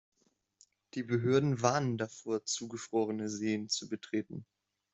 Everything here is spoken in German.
Die Behörden warnen davor, zugefrorene Seen zu betreten.